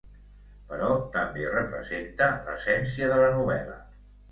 Però també representa l'essència de la novel·la.